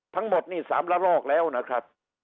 ทั้งหมดนี่๓ละลอกแล้วนะครับ